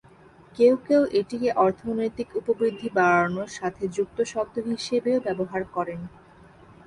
কেউ কেউ এটিকে অর্থনৈতিক প্রবৃদ্ধি বাড়ানোর সাথে যুক্ত শব্দ হিসেবেও ব্যবহার করেন।